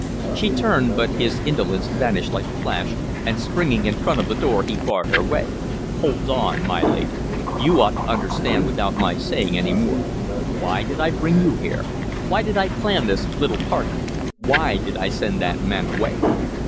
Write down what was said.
She turned, but his indolence vanished like a flash, and springing in front of the door he barred her way. "Hold on, my lady. You ought to understand without my saying any more. Why did I bring you here? Why did I plan this little party? Why did I send that man away?